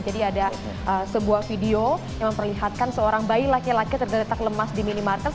jadi ada sebuah video yang memperlihatkan seorang bayi laki laki terdetak lemas di minimarket